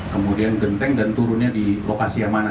kemudian genteng dan turunnya di lokasi yang mana